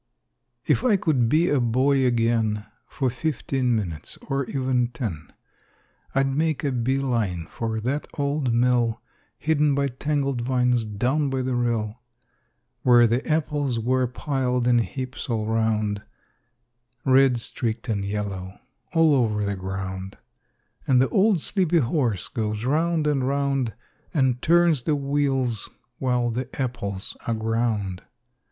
If I could be a boy again For fifteen minutes, or even ten, I'd make a bee line for that old mill, Hidden by tangled vines down by the rill, Where the apples were piled in heaps all 'round, Red, streaked and yellow all over the ground; And the old sleepy horse goes round and round And turns the wheels while the apples are ground.